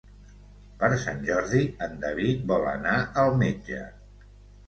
Per Sant Jordi en David vol anar al metge.